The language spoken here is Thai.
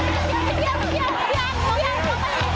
อีกแล้ว